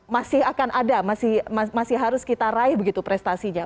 masih akan ada masih harus kita raih begitu prestasinya